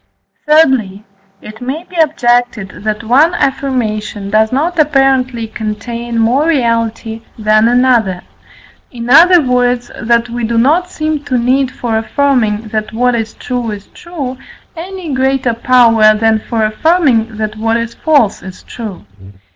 Thirdly, it may be objected that one affirmation does not apparently contain more reality than another; in other words, that we do not seem to need for affirming, that what is true is true, any greater power than for affirming, that what is false is true.